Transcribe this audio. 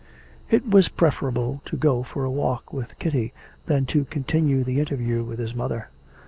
It was preferable to go for a walk with Kitty than to continue the interview with his mother.